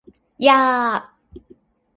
やー！！！